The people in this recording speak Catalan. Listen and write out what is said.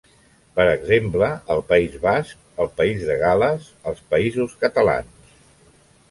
Per exemple: el País Basc, el País de Gal·les, els Països Catalans.